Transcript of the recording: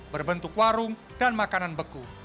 berbentuk warung dan makanan beku